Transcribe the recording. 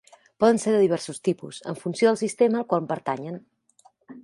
Poden ser de diversos tipus, en funció del sistema al qual pertanyen.